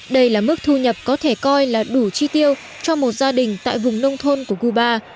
đây là mức thu nhập có thể coi là đủ chi tiêu cho một gia đình tại vùng nông thôn của cuba